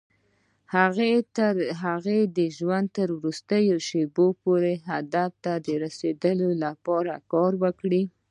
هغه د ژوند تر وروستيو شېبو پورې هدف ته د رسېدو لپاره کار وکړ.